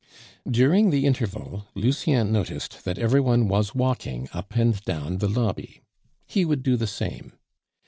During the interval Lucien noticed that every one was walking up and down the lobby. He would do the same.